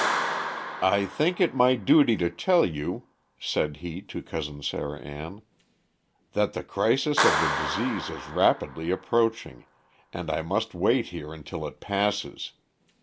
"I think it my duty to tell you," said he to Cousin Sarah Ann, "that the crisis of the disease is rapidly approaching, and I must wait here until it passes.